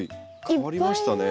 変わりましたね。